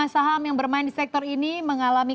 enam puluh lima saham yang bermain di sektor ini mengalami